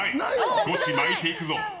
少し巻いていくぞ。